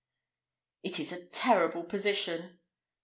"It is a terrible position."